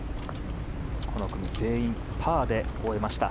この組全員パーで終えました。